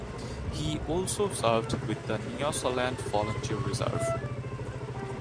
He also served with the Nyasaland Volunteer Reserve.